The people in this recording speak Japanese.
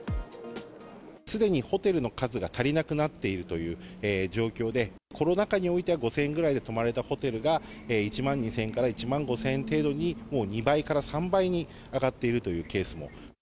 すでにホテルの数が足りなくなっているという状況で、コロナ禍においては５０００円ぐらいで泊まれたホテルが、１万２０００円から１万５０００円程度に、もう２倍から３倍に上がっているというケースも。